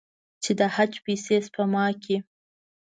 چې د حج پیسې سپما کړي.